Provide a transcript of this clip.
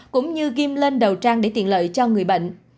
cũng như ghim lên đầu trang để tiện lợi cho người bệnh